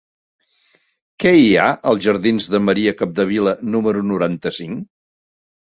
Què hi ha als jardins de Maria Capdevila número noranta-cinc?